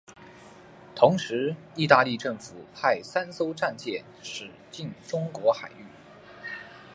同时意大利政府派三艘战舰驶进中国海域。